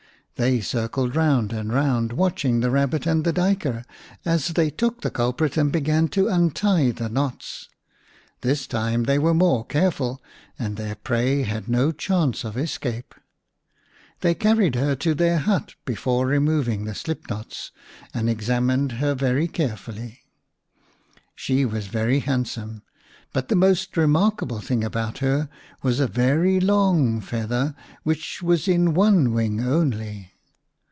They circled round and round, watching the Kabbit and the Duyker as they took the culprit and began to untie the knots. This time they were more careful, and their prey had no chance of escape. They carried her to their hut before removing the slip knots, and examined her very carefully. She was very handsome, but the most remarkable thing about her was a very long feather which was in one wing only.